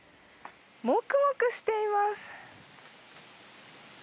もくもくしています。